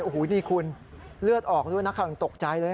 โอ้โฮนี่คุณเลือดออกด้วยนะครับตกใจเลย